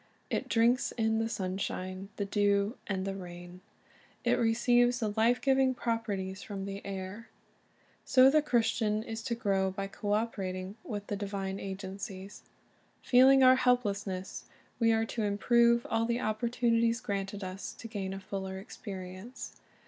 It drinks in the sunshine, the dew, and the rain. It receives the hfe giving properties from the air. So the ''First the Blade, then the Ear'' 67 Christian is to grow by co operating with the divine agencies. Feeling our helplessness, we are to improve all the oppor tunities granted us to gain a fuller experience.